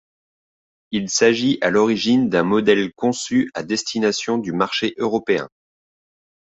Il s'agit à l'origine d'un modèle conçu à destination du marché européen.